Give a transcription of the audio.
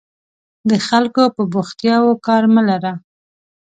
د خلکو په بوختیاوو کار مه لره.